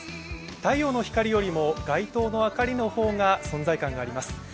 太陽の光よりも街灯の明かりの方が存在感があります。